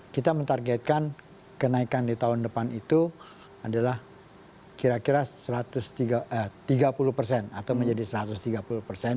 kita mentargetkan kenaikan di tahun depan itu adalah kira kira satu ratus tiga puluh persen atau menjadi satu ratus tiga puluh persen